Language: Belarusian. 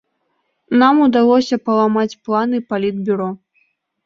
Нам удалося паламаць планы палітбюро.